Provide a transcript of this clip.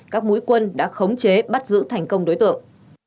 các mũi quân đã khống chế bắt giữ thành công đối tượng